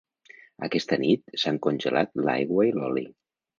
Aquesta nit s'han congelat l'aigua i l'oli.